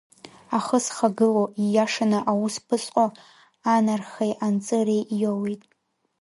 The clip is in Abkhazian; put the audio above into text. Ахы зхагыло, ииашаны аус ԥызҟо анархеи анҵыреи иоуеит.